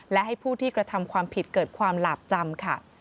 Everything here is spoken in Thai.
และให้ผู้ที่กระทำความผิดเกิดความหลาบจำค่ะ